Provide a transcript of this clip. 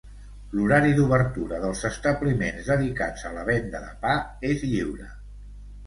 L'horari d'obertura dels establiments dedicats a la venda de pa és lliure.